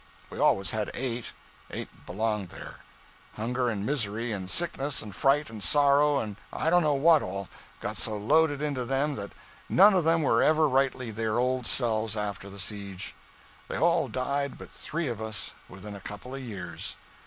We always had eight; eight belonged there. Hunger and misery and sickness and fright and sorrow, and I don't know what all, got so loaded into them that none of them were ever rightly their old selves after the siege. They all died but three of us within a couple of years.